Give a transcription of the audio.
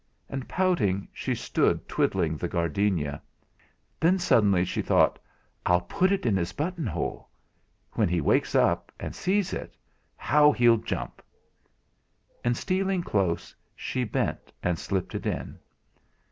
And pouting, she stood twiddling the gardenia. Then suddenly she thought: 'I'll put it in his buttonhole! When he wakes up and sees it, how he'll jump!' And stealing close, she bent and slipped it in.